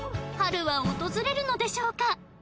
春は訪れるのでしょうか？